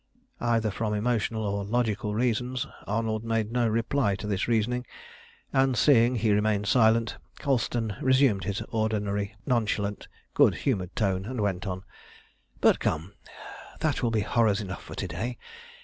Either from emotional or logical reasons Arnold made no reply to this reasoning, and, seeing he remained silent, Colston resumed his ordinary nonchalant, good humoured tone, and went on "But come, that will be horrors enough for to day.